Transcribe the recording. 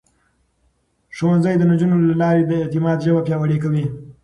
ښوونځی د نجونو له لارې د اعتماد ژبه پياوړې کوي.